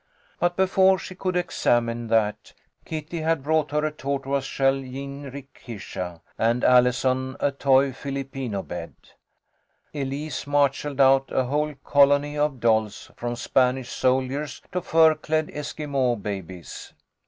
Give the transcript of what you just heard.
But before she could examine that, Kitty had brought her a tortoise shell jinrikisha, and Allison a toy Filipino bed. Elise marshalled out a whole colony of dolls, from Spanish soldiers to fur clad Esquimaux babies.